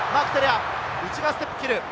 内側にステップを切る。